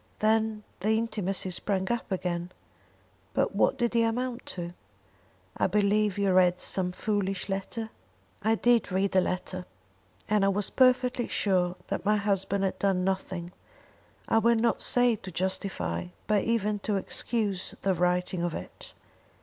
Then the intimacy sprang up again; but what did it amount to? I believe you read some foolish letter?" "I did read a letter, and I was perfectly sure that my husband had done nothing, I will not say to justify, but even to excuse the writing of it.